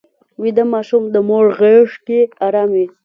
ویده ماشوم د مور غېږ کې ارام وي